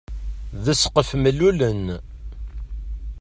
D ssqef mellulen.